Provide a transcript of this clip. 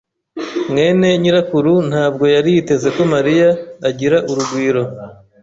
mwene nyirakuru ntabwo yari yiteze ko Mariya agira urugwiro.